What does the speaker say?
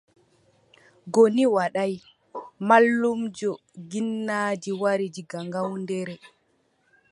Goni Wadaay, mallumjo ginnaaji wari diga Ngawdere.